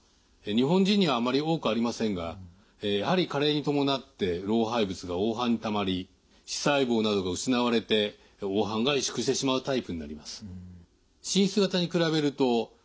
日本人にはあまり多くありませんがやはり加齢に伴って老廃物が黄斑にたまり視細胞などが失われて黄斑が萎縮してしまうタイプになります。